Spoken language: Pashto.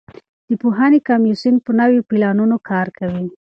د پوهنې کمیسیون په نویو پلانونو کار کوي.